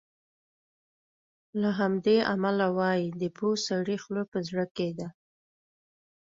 له همدې امله وایي د پوه سړي خوله په زړه کې ده.